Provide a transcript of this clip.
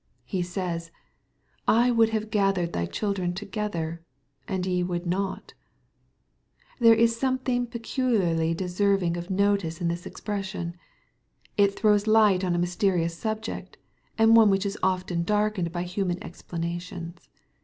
He sajs, ^\1 would have gathered thy childrer. together, — and ye would not/j) There is something peculiarly deserving of notice in this expression. It throws light on a mysterious subject, and one which is often darkened by human explanations.